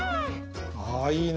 あいいね。